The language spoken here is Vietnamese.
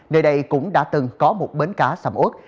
nơi đây cũng đã từng có một bến cá sầm ốt